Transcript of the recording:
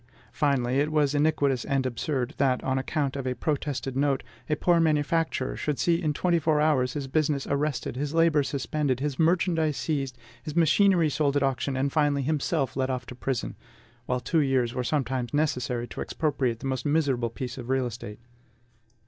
Finally, it was iniquitous and absurd, that, on account of a protested note, a poor manufacturer should see in twenty four hours his business arrested, his labor suspended, his merchandise seized, his machinery sold at auction, and finally himself led off to prison, while two years were sometimes necessary to expropriate the most miserable piece of real estate.